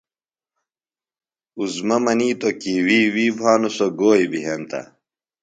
عظمیٰ منِیتوۡ کی وی وی بھانُوۡ، سوۡ گوئی بیۡ ہنتہ۔